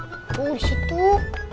oh di situ